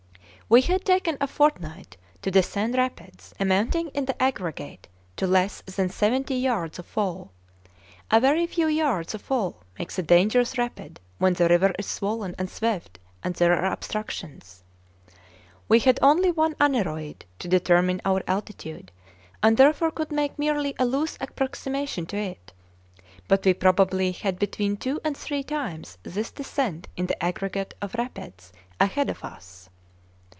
We had taken a fortnight to descend rapids amounting in the aggregate to less than seventy yards of fall; a very few yards of fall makes a dangerous rapid when the river is swollen and swift and there are obstructions. We had only one aneroid to determine our altitude, and therefore could make merely a loose approximation to it, but we probably had between two and three times this descent in the aggregate of rapids ahead of us.